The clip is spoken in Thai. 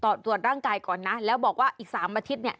ตรวจร่างกายก่อนนะแล้วบอกว่าอีก๓อาทิตย์เนี่ย